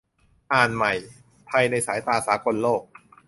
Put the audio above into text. อ่านใหม่ : ไทยในสายตาสากลโลก